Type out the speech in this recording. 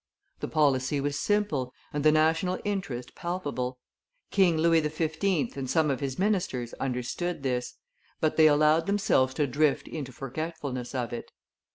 The policy was simple, and the national interest palpable; King Louis XV. and some of his ministers understood this; but they allowed themselves to drift into forgetfulness of it.